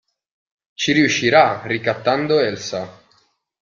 Ci riuscirà ricattando Elsa.